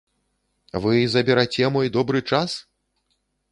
Вы забераце мой добры час?!